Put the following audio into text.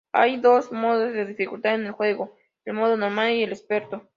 Hay dos modos de dificultad en el juego, el modo normal y experto.